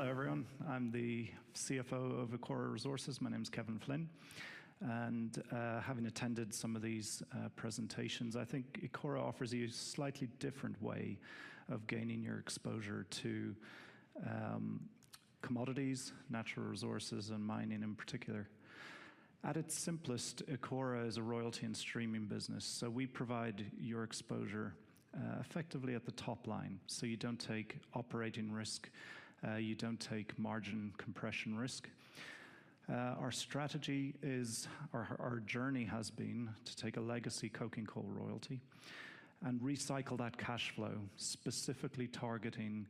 Hello everyone, I'm the CFO of Ecora Resources. My name is Kevin Flynn, and having attended some of these presentations, I think Ecora offers you a slightly different way of gaining your exposure to commodities, natural resources, and mining in particular. At its simplest, Ecora is a royalty and streaming business, so we provide your exposure effectively at the top line, so you don't take operating risk, you don't take margin compression risk. Our strategy is, or our journey has been, to take a legacy coking coal royalty and recycle that cash flow, specifically targeting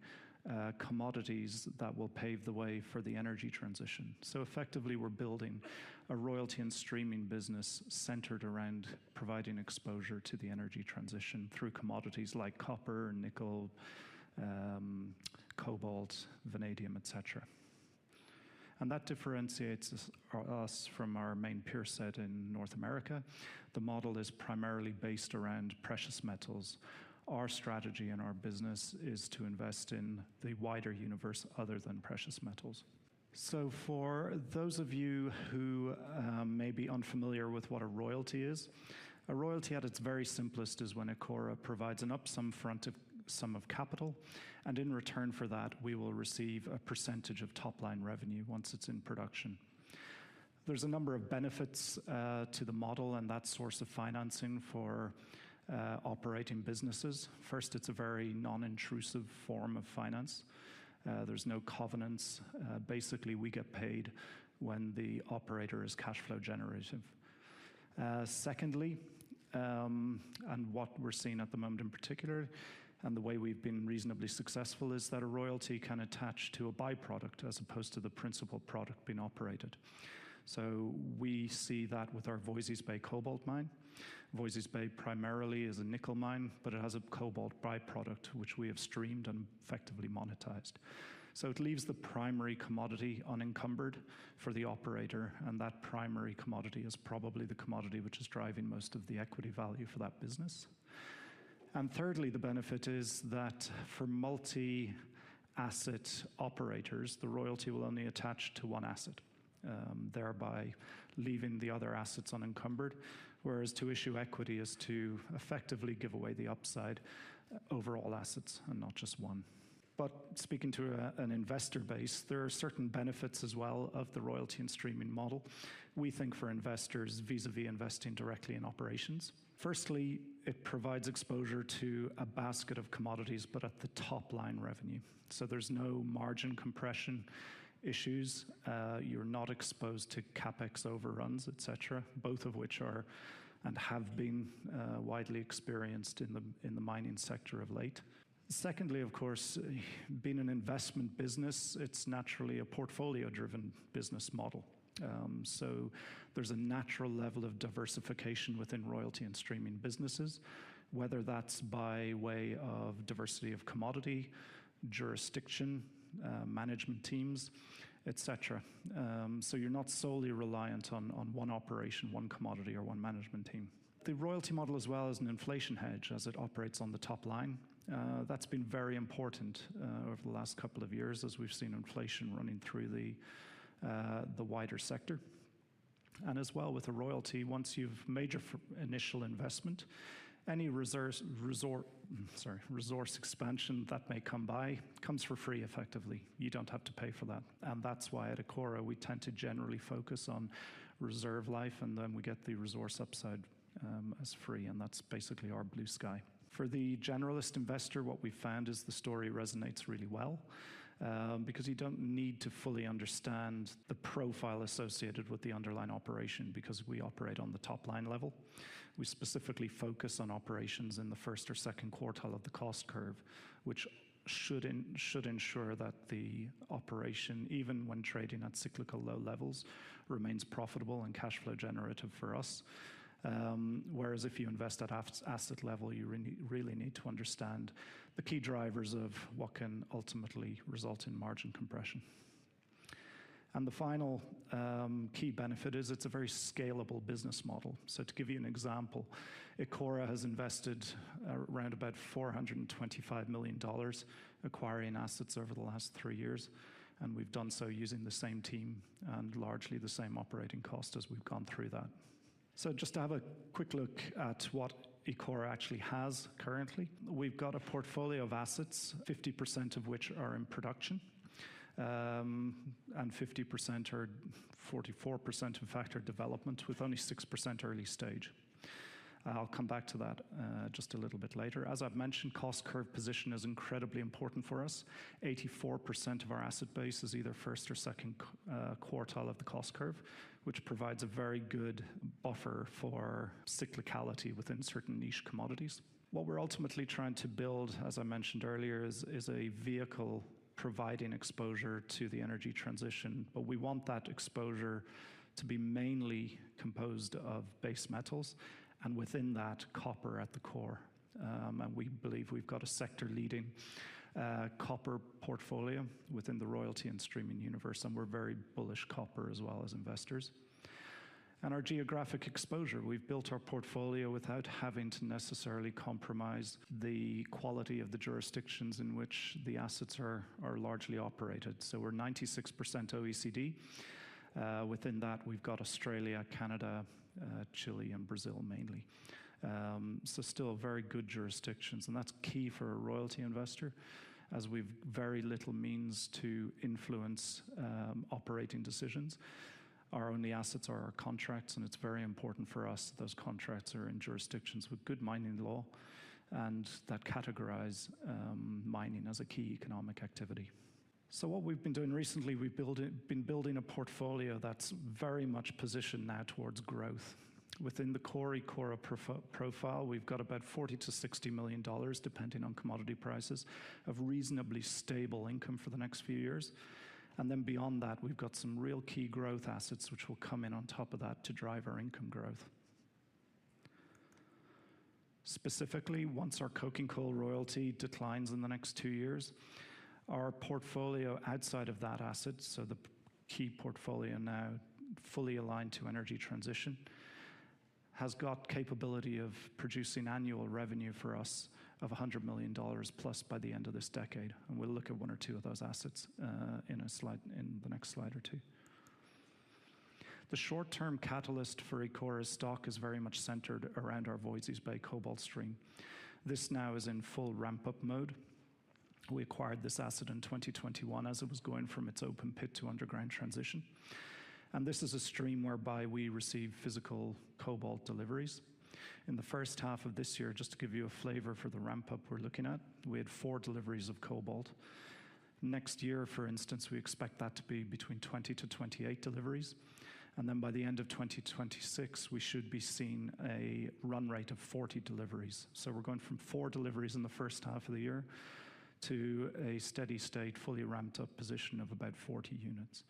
commodities that will pave the way for the energy transition. So effectively, we're building a royalty and streaming business centered around providing exposure to the energy transition through commodities like copper, nickel, cobalt, vanadium, etc., and that differentiates us from our main peer set in North America. The model is primarily based around precious metals. Our strategy in our business is to invest in the wider universe other than precious metals. So for those of you who may be unfamiliar with what a royalty is, a royalty at its very simplest is when Ecora provides an upfront sum of capital, and in return for that, we will receive a percentage of top line revenue once it's in production. There's a number of benefits to the model and that source of financing for operating businesses. First, it's a very non-intrusive form of finance. There's no covenants. Basically, we get paid when the operator is cash flow generative. Secondly, and what we're seeing at the moment in particular, and the way we've been reasonably successful, is that a royalty can attach to a byproduct as opposed to the principal product being operated. So we see that with our Voisey's Bay cobalt mine. Voisey's Bay primarily is a nickel mine, but it has a cobalt byproduct, which we have streamed and effectively monetized. So it leaves the primary commodity unencumbered for the operator, and that primary commodity is probably the commodity which is driving most of the equity value for that business. And thirdly, the benefit is that for multi-asset operators, the royalty will only attach to one asset, thereby leaving the other assets unencumbered, whereas to issue equity is to effectively give away the upside over all assets and not just one. But speaking to an investor base, there are certain benefits as well of the royalty and streaming model. We think for investors, vis-à-vis investing directly in operations, firstly, it provides exposure to a basket of commodities, but at the top line revenue. So there's no margin compression issues. You're not exposed to CapEx overruns, etc., both of which are and have been widely experienced in the mining sector of late. Secondly, of course, being an investment business, it's naturally a portfolio-driven business model. So there's a natural level of diversification within royalty and streaming businesses, whether that's by way of diversity of commodity, jurisdiction, management teams, etc. So you're not solely reliant on one operation, one commodity, or one management team. The royalty model as well is an inflation hedge as it operates on the top line. That's been very important over the last couple of years as we've seen inflation running through the wider sector. And as well with a royalty, once you've made your initial investment, any resource expansion that may come by comes for free effectively. You don't have to pay for that. That's why at Ecora, we tend to generally focus on reserve life, and then we get the resource upside as free, and that's basically our blue sky. For the generalist investor, what we found is the story resonates really well because you don't need to fully understand the profile associated with the underlying operation because we operate on the top line level. We specifically focus on operations in the first or second quartile of the cost curve, which should ensure that the operation, even when trading at cyclical low levels, remains profitable and cash flow generative for us. Whereas if you invest at asset level, you really need to understand the key drivers of what can ultimately result in margin compression. The final key benefit is it's a very scalable business model. To give you an example, Ecora has invested around about $425 million acquiring assets over the last three years, and we've done so using the same team and largely the same operating cost as we've gone through that. Just to have a quick look at what Ecora actually has currently, we've got a portfolio of assets, 50% of which are in production and 50% or 44% in fact are development with only 6% early stage. I'll come back to that just a little bit later. As I've mentioned, cost curve position is incredibly important for us. 84% of our asset base is either first or second quartile of the cost curve, which provides a very good buffer for cyclicality within certain niche commodities. What we're ultimately trying to build, as I mentioned earlier, is a vehicle providing exposure to the energy transition, but we want that exposure to be mainly composed of base metals and within that, copper at the core. And we believe we've got a sector-leading copper portfolio within the royalty and streaming universe, and we're very bullish copper as well as investors. And our geographic exposure, we've built our portfolio without having to necessarily compromise the quality of the jurisdictions in which the assets are largely operated. So we're 96% OECD. Within that, we've got Australia, Canada, Chile, and Brazil mainly. So still very good jurisdictions, and that's key for a royalty investor as we've very little means to influence operating decisions. Our only assets are our contracts, and it's very important for us that those contracts are in jurisdictions with good mining law and that categorize mining as a key economic activity. So what we've been doing recently, we've been building a portfolio that's very much positioned now towards growth. Within the core Ecora profile, we've got about $40-$60 million, depending on commodity prices, of reasonably stable income for the next few years. And then beyond that, we've got some real key growth assets which will come in on top of that to drive our income growth. Specifically, once our coking coal royalty declines in the next two years, our portfolio outside of that asset, so the key portfolio now fully aligned to energy transition, has got capability of producing annual revenue for us of $100 million plus by the end of this decade. We'll look at one or two of those assets in the next slide or two. The short-term catalyst for Ecora's stock is very much centered around our Voisey's Bay cobalt stream. This now is in full ramp-up mode. We acquired this asset in 2021 as it was going from its open pit to underground transition. This is a stream whereby we receive physical cobalt deliveries. In the first half of this year, just to give you a flavor for the ramp-up we're looking at, we had four deliveries of cobalt. Next year, for instance, we expect that to be between 20-28 deliveries. Then by the end of 2026, we should be seeing a run rate of 40 deliveries. We're going from four deliveries in the first half of the year to a steady state fully ramped-up position of about 40 units.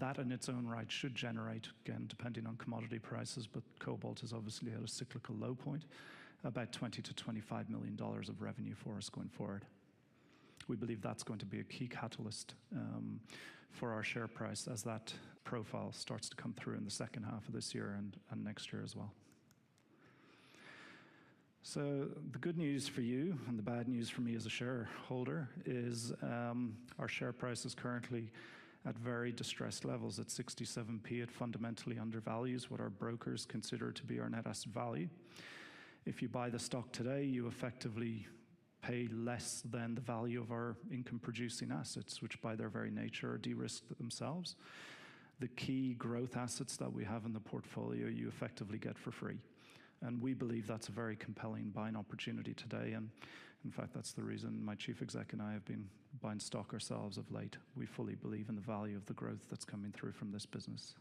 That in its own right should generate, again, depending on commodity prices, but cobalt is obviously at a cyclical low point, about $20-$25 million of revenue for us going forward. We believe that's going to be a key catalyst for our share price as that profile starts to come through in the second half of this year and next year as well. So the good news for you and the bad news for me as a shareholder is our share price is currently at very distressed levels at 0.67. It fundamentally undervalues what our brokers consider to be our net asset value. If you buy the stock today, you effectively pay less than the value of our income-producing assets, which by their very nature are de-risked themselves. The key growth assets that we have in the portfolio, you effectively get for free. And we believe that's a very compelling buying opportunity today. And in fact, that's the reason my Chief Exec and I have been buying stock ourselves of late. We fully believe in the value of the growth that's coming through from this business.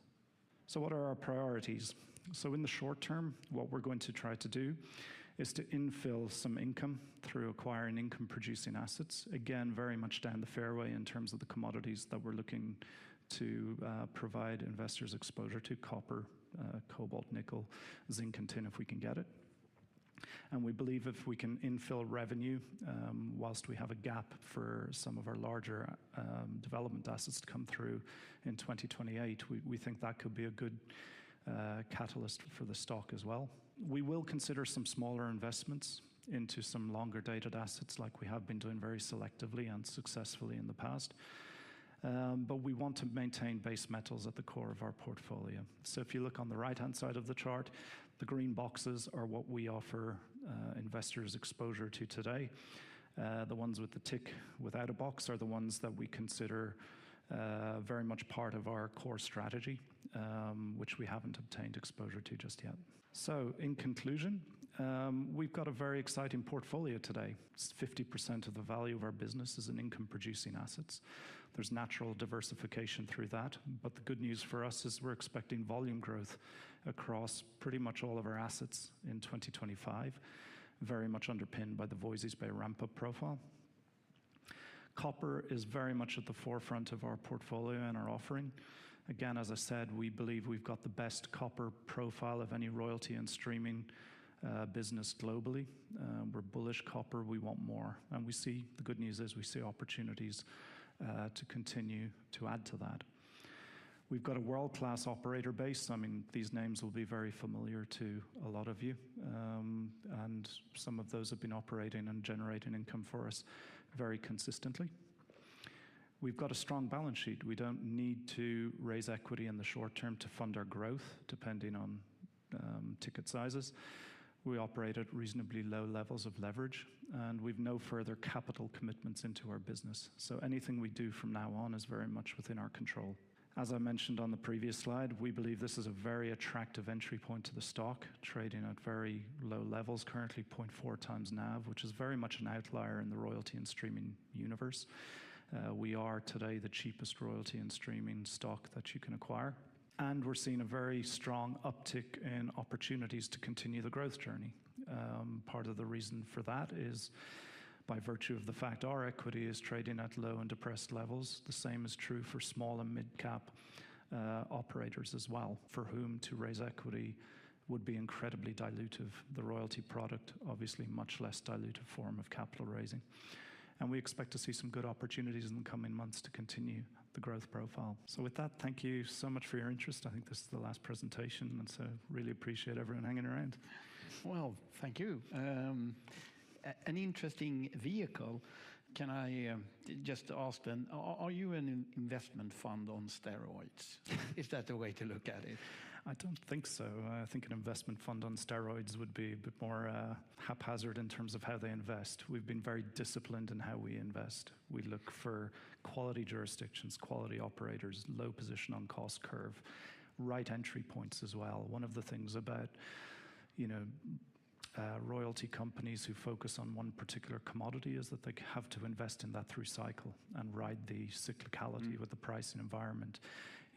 So what are our priorities? So in the short term, what we're going to try to do is to infill some income through acquiring income-producing assets. Again, very much down the fairway in terms of the commodities that we're looking to provide investors exposure to: copper, cobalt, nickel, zinc, and tin if we can get it. And we believe if we can infill revenue while we have a gap for some of our larger development assets to come through in 2028, we think that could be a good catalyst for the stock as well. We will consider some smaller investments into some longer dated assets like we have been doing very selectively and successfully in the past, but we want to maintain base metals at the core of our portfolio. So if you look on the right-hand side of the chart, the green boxes are what we offer investors exposure to today. The ones with the tick without a box are the ones that we consider very much part of our core strategy, which we haven't obtained exposure to just yet. So in conclusion, we've got a very exciting portfolio today. 50% of the value of our business is in income-producing assets. There's natural diversification through that, but the good news for us is we're expecting volume growth across pretty much all of our assets in 2025, very much underpinned by the Voisey's Bay ramp-up profile. Copper is very much at the forefront of our portfolio and our offering. Again, as I said, we believe we've got the best copper profile of any royalty and streaming business globally. We're bullish copper. We want more. And we see the good news is we see opportunities to continue to add to that. We've got a world-class operator base. I mean, these names will be very familiar to a lot of you. And some of those have been operating and generating income for us very consistently. We've got a strong balance sheet. We don't need to raise equity in the short term to fund our growth, depending on ticket sizes. We operate at reasonably low levels of leverage, and we've no further capital commitments into our business. So anything we do from now on is very much within our control. As I mentioned on the previous slide, we believe this is a very attractive entry point to the stock, trading at very low levels, currently 0.4 times NAV, which is very much an outlier in the royalty and streaming universe. We are today the cheapest royalty and streaming stock that you can acquire. And we're seeing a very strong uptick in opportunities to continue the growth journey. Part of the reason for that is by virtue of the fact our equity is trading at low and depressed levels. The same is true for small and mid-cap operators as well, for whom to raise equity would be incredibly dilutive. The royalty product, obviously much less dilutive form of capital raising. And we expect to see some good opportunities in the coming months to continue the growth profile. So with that, thank you so much for your interest. I think this is the last presentation, and so really appreciate everyone hanging around. Well, thank you. An interesting vehicle. Can I just ask then, are you an investment fund on steroids? Is that the way to look at it? I don't think so. I think an investment fund on steroids would be a bit more haphazard in terms of how they invest. We've been very disciplined in how we invest. We look for quality jurisdictions, quality operators, low position on cost curve, right entry points as well. One of the things about royalty companies who focus on one particular commodity is that they have to invest in that through cycle and ride the cyclicality with the pricing environment.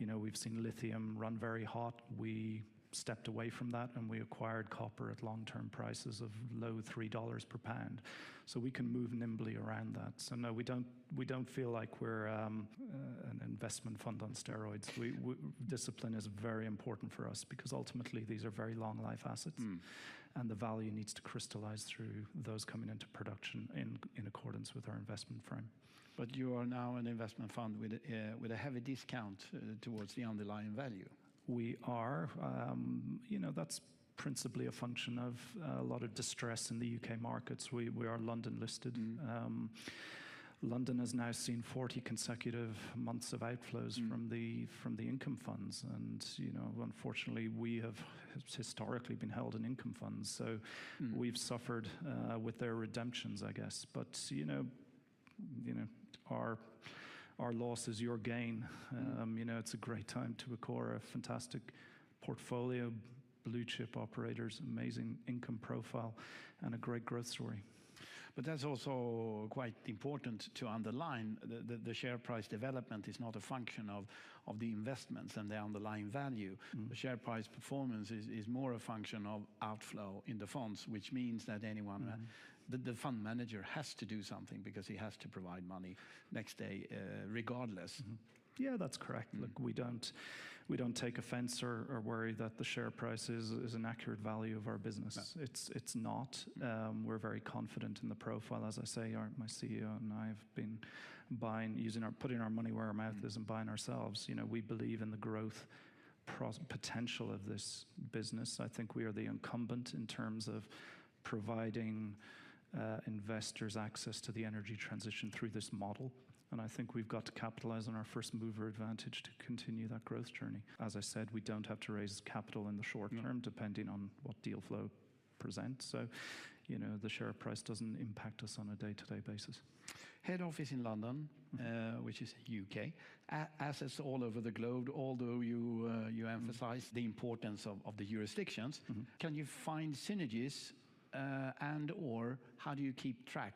We've seen lithium run very hot. We stepped away from that, and we acquired copper at long-term prices of low $3 per pound. So we can move nimbly around that. So no, we don't feel like we're an investment fund on steroids. Discipline is very important for us because ultimately these are very long-life assets, and the value needs to crystallize through those coming into production in accordance with our investment frame. But you are now an investment fund with a heavy discount towards the underlying value. We are. That's principally a function of a lot of distress in the U.K. markets. We are London-listed. London has now seen 40 consecutive months of outflows from the income funds. And unfortunately, we have historically been held in income funds. So we've suffered with their redemptions, I guess. But our loss is your gain. It's a great time to acquire a fantastic portfolio, blue chip operators, amazing income profile, and a great growth story. But that's also quite important to underline. The share price development is not a function of the investments and the underlying value. The share price performance is more a function of outflow in the funds, which means that the fund manager has to do something because he has to provide money next day, regardless. eah, that's correct. We don't take offense or worry that the share price is an accurate value of our business. It's not. We're very confident in the profile, as I say, my CEO and I have been putting our money where our mouth is and buying ourselves. We believe in the growth potential of this business. I think we are the incumbent in terms of providing investors access to the energy transition through this model, and I think we've got to capitalize on our first mover advantage to continue that growth journey. As I said, we don't have to raise capital in the short term depending on what deal flow presents. So the share price doesn't impact us on a day-to-day basis. Head office in London, which is U.K., assets all over the globe, although you emphasize the importance of the jurisdictions. Can you find synergies and/or how do you keep track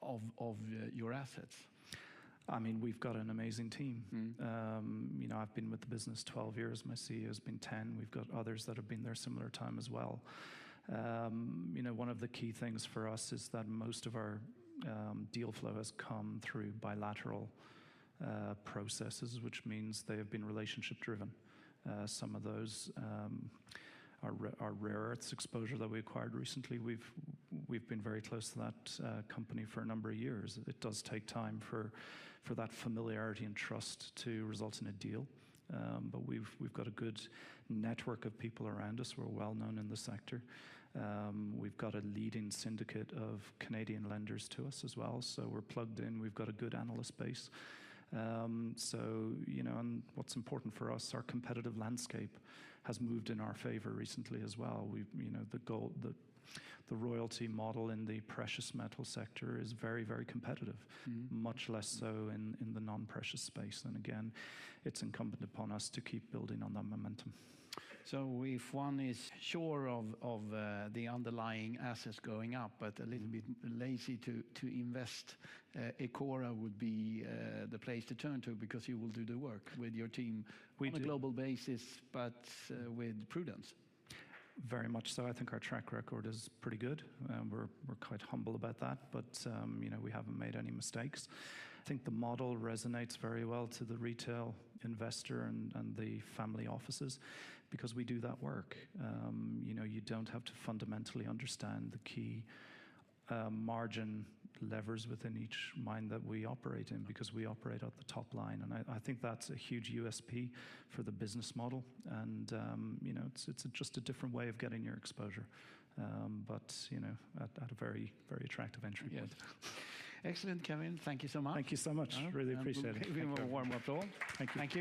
of your assets? I mean, we've got an amazing team. I've been with the business 12 years. My CEO has been 10. We've got others that have been there a similar time as well. One of the key things for us is that most of our deal flow has come through bilateral processes, which means they have been relationship-driven. Some of those are rarer. It's exposure that we acquired recently. We've been very close to that company for a number of years. It does take time for that familiarity and trust to result in a deal. But we've got a good network of people around us. We're well-known in the sector. We've got a leading syndicate of Canadian lenders to us as well. So we're plugged in. We've got a good analyst base. And what's important for us, our competitive landscape has moved in our favor recently as well. The royalty model in the precious metal sector is very, very competitive, much less so in the non-precious space. And again, it's incumbent upon us to keep building on that momentum. So if one is sure of the underlying assets going up, but a little bit lazy to invest, Ecora would be the place to turn to because you will do the work with your team on a global basis, but with prudence. Very much so. I think our track record is pretty good. We're quite humble about that, but we haven't made any mistakes. I think the model resonates very well to the retail investor and the family offices because we do that work. You don't have to fundamentally understand the key margin levers within each mine that we operate in because we operate at the top line. And I think that's a huge USP for the business model. And it's just a different way of getting your exposure, but at a very, very attractive entry point. Excellent, Kevin. Thank you so much. Thank you so much. Really appreciate it. We have a warm-up call. Thank you.